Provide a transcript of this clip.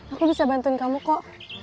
aku bisa bantuin kamu kok